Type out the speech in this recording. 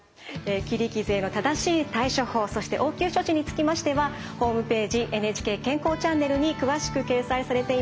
切り傷への正しい対処法そして応急処置につきましてはホームページ「ＮＨＫ健康チャンネル」に詳しく掲載されています。